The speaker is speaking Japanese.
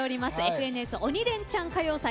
「ＦＮＳ鬼レンチャン歌謡祭」